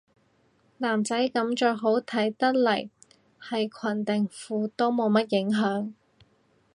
男仔噉着好睇得嚟係裙定褲都冇乜影響